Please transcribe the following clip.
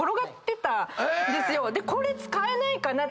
これ使えないかなって。